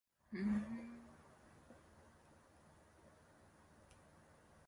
It is a college radio station, owned by the Rochester Institute of Technology.